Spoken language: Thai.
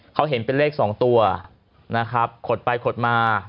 เขาเห็นเป็นเลข๒ตัวนะครับขดไปขดมา